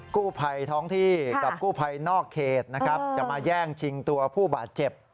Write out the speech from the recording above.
กู้ไภท้องที่กับกู้ไภนอกเคสจะมาแย่งชิงตัวผู้บาดเจ็บ